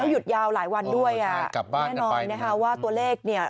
แล้วหยุดยาวหลายวันด้วยแน่นอนนะครับว่าตัวเลขเนี่ย